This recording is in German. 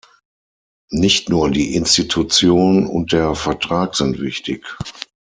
Nicht nur die Institution und der Vertrag sind wichtig.